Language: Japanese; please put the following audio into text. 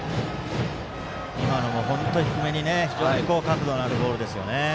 今のも低めに非常に角度のあるボールでした。